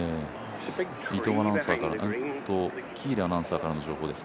喜入アナウンサーからの情報です。